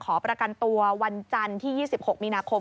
ขอประกันตัววันจันทร์ที่๒๖มีนาคม